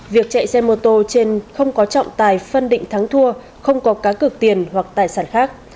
việc chạy xe mô tô trên không có trọng tài phân định thắng thua không có cá cực tiền hoặc tài sản khác